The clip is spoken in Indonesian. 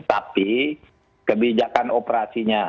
tapi kebijakan operasi